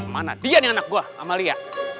mana dia nih anak buah amalia